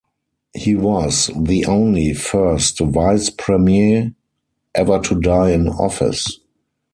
He was the only First Vice-Premier ever to die in office.